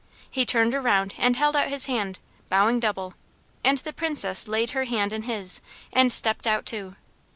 He turned around and held out his hand, bowing double, and the Princess laid her hand in his and stepped out too.